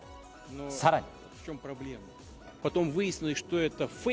さらに。